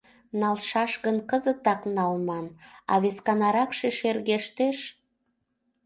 Налшаш гын, кызытак налман, а весканаракше шергештеш.